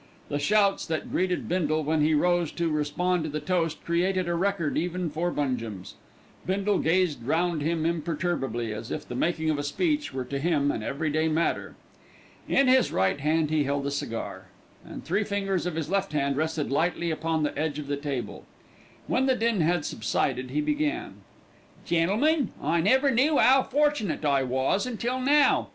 The shouts that greeted Bindle when he rose to respond to the toast created a record even for Bungem's. Bindle gazed round him imperturbably, as if the making of a speech were to him an everyday matter. In his right hand he held a cigar, and three fingers of his left hand rested lightly upon the edge of the table. When the din had subsided he began. "Gentlemen, I never knew 'ow fortunate I was until now.